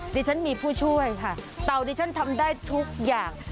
ดิฉันมีผู้ช่วยค่ะเต่าดิฉันทำได้ทุกอย่าง